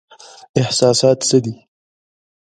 احساسات څه دي؟